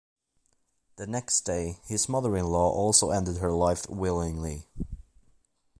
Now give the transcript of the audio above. The next day, his mother-in-law also ended her life willingly.